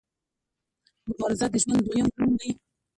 مبارزه د ژوند دویم نوم دی.